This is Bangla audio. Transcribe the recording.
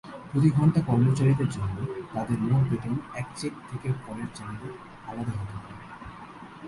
প্রতি ঘণ্টা কর্মচারীদের জন্য, তাদের মোট বেতন এক চেক থেকে পরের চ্যানেলে আলাদা হতে পারে।